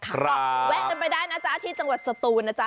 ก็แวะกันไปได้นะจ๊ะที่จังหวัดสตูนนะจ๊